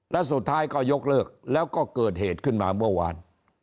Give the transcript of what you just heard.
และสุดท้ายก็ยกเลิกแล้วก็เกิดเหตุขึ้นมาเมื่อวาน